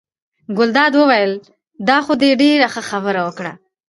ګلداد وویل: دا خو دې ډېره ښه خبره وکړه.